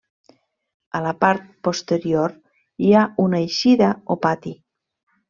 A la part posterior hi ha una eixida o pati.